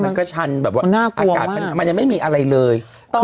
มันก็ชันอาการเป็นมะยังไม่มีอะไรเลย